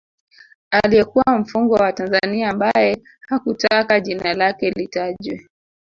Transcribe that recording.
Aliyekuwa mfungwa wa Tanzania ambaye hakutaka jina lake litajwe